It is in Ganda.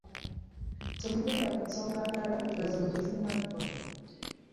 Temugenda ku nsonga ndala nga zino tezinnaggwa.